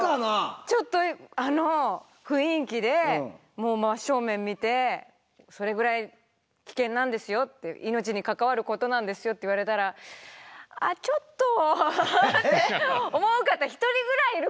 ちょっとあの雰囲気で真っ正面見て「それぐらい危険なんですよ」って「命に関わることなんですよ」って言われたら「あっちょっと」って思う方１人ぐらいいるかと思うんですけど。